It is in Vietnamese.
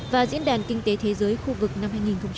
và diễn đàn kinh tế thế giới khu vực năm hai nghìn một mươi tám